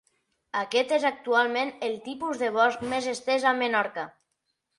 Aquest és actualment el tipus de bosc més estès a Menorca.